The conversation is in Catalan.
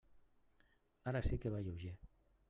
Ara sí que va lleuger.